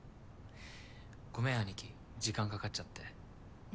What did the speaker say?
ごめん姉貴時間かかっちゃって。